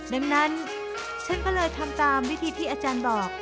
ดังนั้นฉันก็เลยทำตามวิธีที่อาจารย์บอก